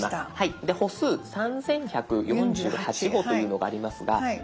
で「歩数３，１４８歩」というのがありますが。